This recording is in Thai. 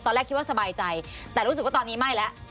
ตอนแรกคิดว่าสบายใจแต่รู้สึกว่าตอนนี้ไม่แล้ว